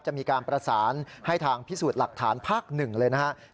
จะมีการประสานให้ทางพิสูจน์หลักฐานภาคหนึ่งเลยนะครับ